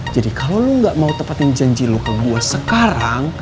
jadi kalo lo gak mau tepatin janji lo ke gua sekarang